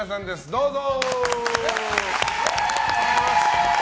どうぞ！